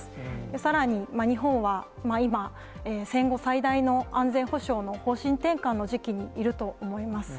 さらに日本は今、戦後最大の安全保障の方針転換の時期にいると思います。